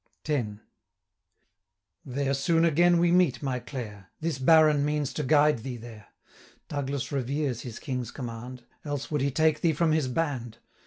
X. 'There soon again we meet, my Clare! 285 This Baron means to guide thee there: Douglas reveres his King's command, Else would he take thee from his band.